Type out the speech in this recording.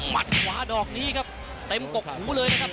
ขวาดอกนี้ครับเต็มกกหูเลยนะครับ